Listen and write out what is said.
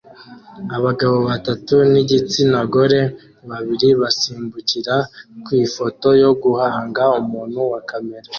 Abagabo batatu nigitsina gore babiri basimbukira kwifoto yo guhanga umuntu wa kamera